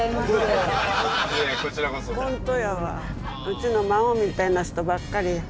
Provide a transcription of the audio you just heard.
うちの孫みたいな人ばっかりや。